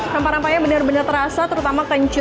rampah rampahnya benar benar terasa terutama kencurnya